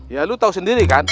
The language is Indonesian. ya lu tahu sendiri kan